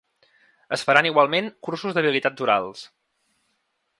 Es faran igualment, cursos d’habilitats orals.